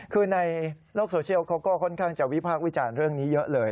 คือในโลกโซเชียลเขาก็ค่อนข้างจะวิพากษ์วิจารณ์เรื่องนี้เยอะเลย